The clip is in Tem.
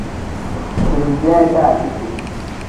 Time-dee daaziti.